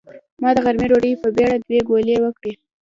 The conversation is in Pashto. ما د غرمۍ ډوډۍ په بېړه دوې ګولې وکړې.